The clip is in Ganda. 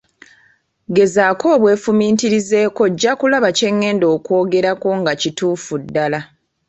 Gezaako obwefumiitirizeeko ojja kulaba kye ngenda okwogerako nga kituufu ddala.